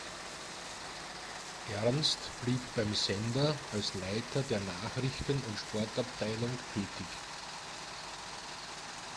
Ernst blieb beim Sender als Leiter der Nachrichten- und Sportabteilung tätig.